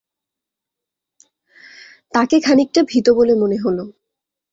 তাঁকে খানিকটা ভীত বলে মনে হল।